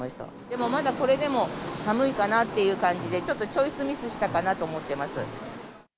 でもまだこれでも寒いかなという感じで、ちょっとチョイスミスしたかなと思ってます。